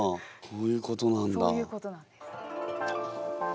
そういうことなんです。